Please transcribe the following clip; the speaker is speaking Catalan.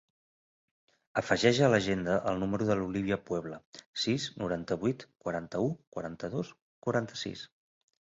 Afegeix a l'agenda el número de l'Olívia Puebla: sis, noranta-vuit, quaranta-u, quaranta-dos, quaranta-sis.